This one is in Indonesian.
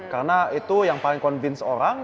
karena itu yang paling convince orang